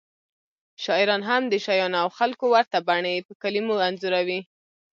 شاعران هم د شیانو او خلکو ورته بڼې په کلمو کې انځوروي